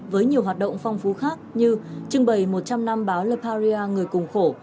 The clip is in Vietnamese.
với nhiều hoạt động phong phú khác như trưng bày một trăm linh năm báo leparia người cùng khổ